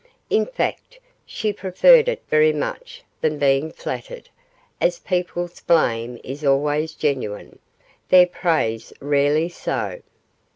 In fact, she preferred it very much more than being flattered, as people's blame is always genuine, their praise rarely so.